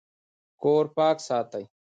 کور پاک ساتئ